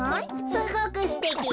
すごくすてき。